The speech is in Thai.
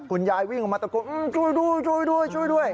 คุณยายวิ่งออกมาตะโกนช่วยด้วยช่วยด้วยช่วยด้วย